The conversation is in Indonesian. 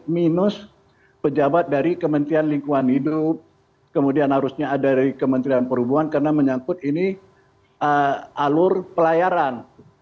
minus pejabat dari kementerian lingkungan hidup kemudian harusnya ada dari kementerian perhubungan karena menyangkut ini alur pelayaran